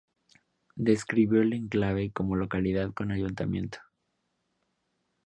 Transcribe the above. Describió el enclave como "localidad con ayuntamiento".